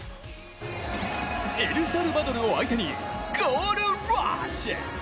エルサルバドルを相手にゴールラッシュ！